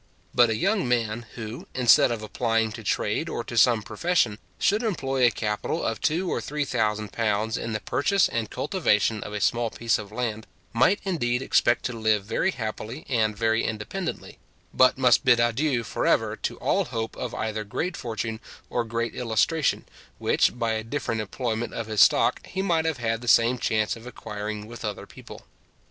But a young man, who, instead of applying to trade or to some profession, should employ a capital of two or three thousand pounds in the purchase and cultivation of a small piece of land, might indeed expect to live very happily and very independently, but must bid adieu for ever to all hope of either great fortune or great illustration, which, by a different employment of his stock, he might have had the same chance of acquiring with other people.